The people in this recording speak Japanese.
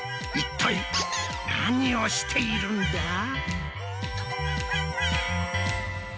一体何をしているんだ？